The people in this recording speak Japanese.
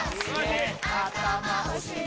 あたまおしり